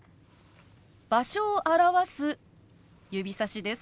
場所を表す指さしです。